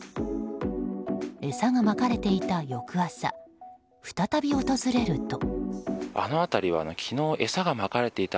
餌がまかれていた翌朝再び訪れると。